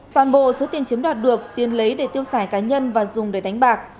toàn bộ số tiền chiếm đoạt được tiến lấy để tiêu xài cá nhân và dùng để đánh bạc